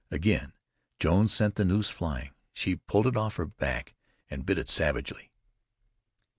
Again Jones sent the noose flying. She pulled it off her back and bit it savagely.